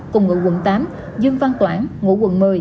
cùng ngụ quận tám dương văn toản ngụ quận một mươi